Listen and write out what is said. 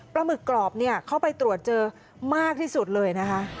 หมึกกรอบเข้าไปตรวจเจอมากที่สุดเลยนะคะ